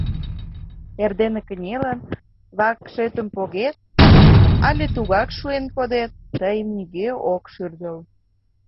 Эрдене кынелын, вакшышетым погет але тугак шуэн кодет, тыйым нигӧ ок шӱрдыл.